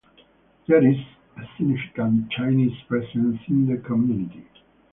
There is a significant Chinese presence in the community.